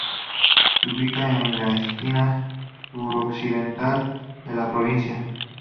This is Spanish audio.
Se ubica en la esquina suroccidental de la provincia.